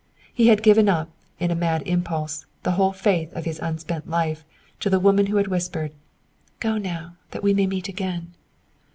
He had given up, in a mad impulse, the whole faith of his unspent life to the woman who had whispered, "Go now, that we may meet again."